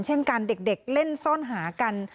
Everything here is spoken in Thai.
เช่นกันเด็กเล่นซ่อนหากัน